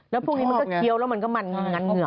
แล้วพวกนี้มันก็เคี้ยวแล้วมันก็มันงัดเหงื่อ